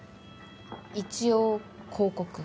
一応広告。